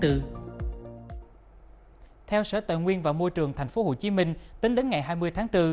theo sở tài nguyên và môi trường tp hcm tính đến ngày hai mươi tháng bốn